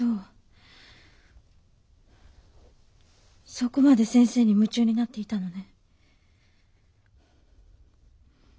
そこまで先生に夢中になっていたのね。